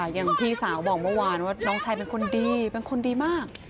อย่างพี่สาวบอกเมื่อวานว่าน้องชายเป็นคนดีเป็นคนดีมาก